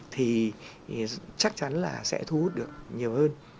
thì chắc chắn là sẽ thu hút được nhiều hơn